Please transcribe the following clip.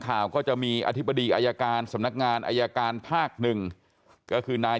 ข่าวก็จะมีอธิบดีอายการสำนักงานอายการภาคหนึ่งก็คือนาย